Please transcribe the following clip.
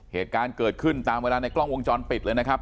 เหตุการณ์เกิดขึ้นตามเวลาในกล้องวงจรปิดเลยนะครับ